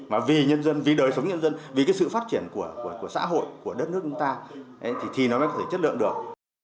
mà vì nhân dân vì đời sống nhân dân vì cái sự phát triển của xã hội của đất nước chúng ta thì nó mới có thể chất lượng được